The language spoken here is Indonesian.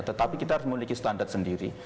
tetapi kita harus memiliki standar sendiri